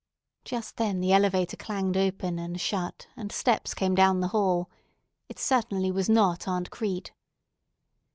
Just then the elevator clanged open and shut, and steps came down the hall. It certainly was not Aunt Crete.